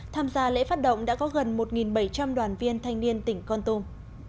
tham gia lễ phát động đã có gần một bảy trăm linh đoàn viên thanh niên tỉnh con tum